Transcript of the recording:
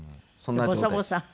ボサボサ？